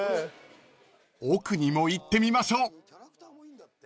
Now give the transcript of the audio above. ［奥にも行ってみましょう］